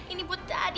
ini buat tadi